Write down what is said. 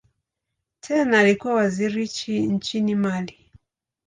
Tena alikuwa waziri nchini Mali.